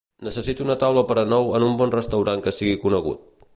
Necessito una taula per a nou en un bon restaurant que sigui conegut